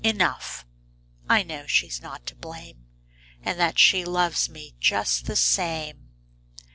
Enough, I know she's not to blame. And that she loves me just the same."